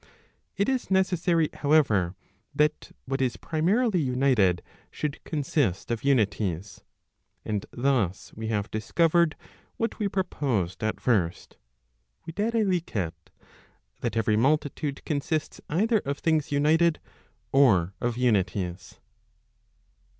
It is necessary, however, that what is primarily united should consist of unities. And thus we have discovered what we proposed at first, [viz. that every multitude consists either of things united, or of unities.